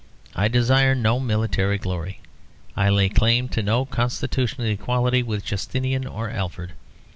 I desire no military glory. I lay claim to no constitutional equality with Justinian or Alfred.